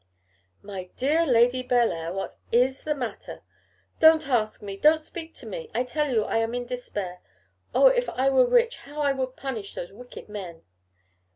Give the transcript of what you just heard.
'My dear Lady Bellair, what is the matter?' 'Don't ask me; don't speak to me. I tell you I am in despair. Oh! if I were rich, how I would punish those wicked men!